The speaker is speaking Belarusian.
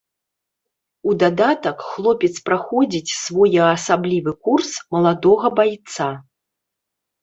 У дадатак хлопец праходзіць своеасаблівы курс маладога байца.